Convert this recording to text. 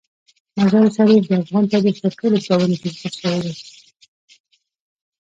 مزارشریف د افغان تاریخ په ټولو کتابونو کې ذکر شوی دی.